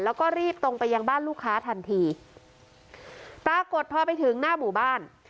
แล้วก็รีบตรงไปยังบ้านลูกค้าทันทีปรากฏพอไปถึงหน้าหมู่บ้าน